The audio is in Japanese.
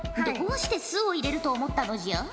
どうして酢を入れると思ったのじゃ？